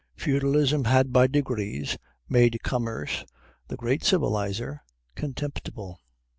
Feudalism had by degrees made commerce, the great civilizer, contemptible.